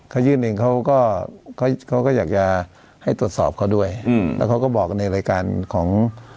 เขายื่นเองเขาก็เขาก็อยากจะให้ตรวจสอบเขาด้วยอืมแล้วเขาก็บอกในรายการของ